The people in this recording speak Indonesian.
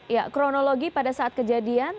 ya kronologi pada saat kejadian